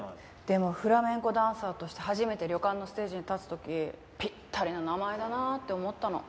でもフラメンコダンサーとして初めて旅館のステージに立つ時ぴったりな名前だなって思ったの。